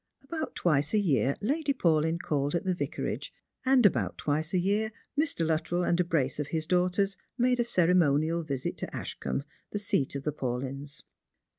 About twice a year Lady Paulyn called at the Vicar age, and about twice a year Mr. Luttrell and a brace of his daughters made a ceremonial visit to Ashcombe, the seat of the Paulyns.